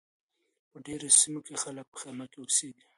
په ډېرو سیمو کې خلک په خیمه کې اوسیږي.